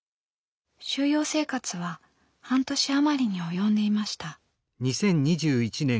収容生活は半年余りに及んでいました。